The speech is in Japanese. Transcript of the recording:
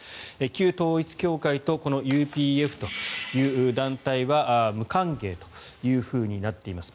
旧統一教会とＵＰＦという団体は無関係というふうになっています。